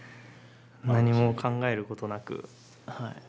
何も考えることなく。